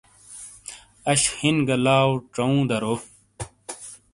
آش ہن گہ لاؤ ژوں درو ۔